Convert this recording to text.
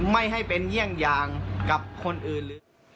ไม่ให้เป็นเยี่ยงอย่างกับคนอื่นหรือ